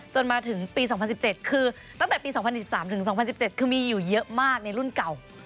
มาถึงปี๒๐๑๗คือตั้งแต่ปี๒๐๑๓ถึง๒๐๑๗คือมีอยู่เยอะมากในรุ่นเก่า